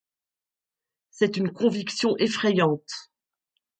C’est une conviction effrayante.